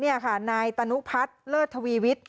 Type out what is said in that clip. นี่ค่ะนายตนุพัฒน์เลิศทวีวิทย์